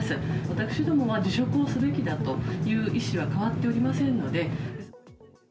私どもは辞職をすべきだという意思は変わっておりませんので。